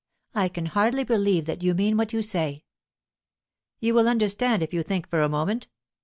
I can hardly believe that you mean what you say." "You will understand it if you think for a moment.